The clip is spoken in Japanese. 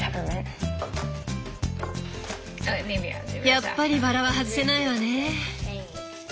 やっぱりバラは外せないわね。